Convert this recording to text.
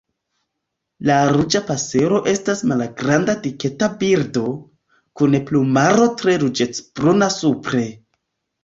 La Ruĝa pasero estas malgranda diketa birdo, kun plumaro tre ruĝecbruna supre.